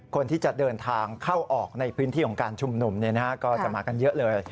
คนที่จะเดินทางเข้าออกในพื้นที่ของการชุมนุมก็จะมากันเยอะเลย